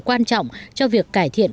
quan trọng cho việc cải thiện